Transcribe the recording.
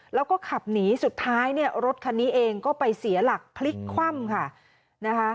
แล้วก็ขับหนีสุดท้ายรถคันนี้เองก็ไปเสียหลักคลิกคว่ำ